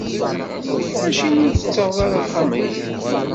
Acimi ur tettaɣeḍ ara axxam-ihi?